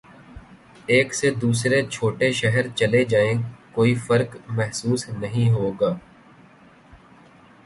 ایک سے دوسرے چھوٹے شہر چلے جائیں کوئی فرق محسوس نہیں ہو گا۔